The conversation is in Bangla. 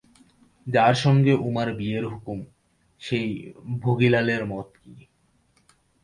যার সঙ্গে উমার বিয়ের হুকুম সেই ভোগীলালের মত কী?